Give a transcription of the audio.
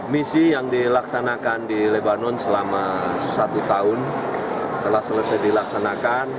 misi yang dilaksanakan di lebanon selama satu tahun telah selesai dilaksanakan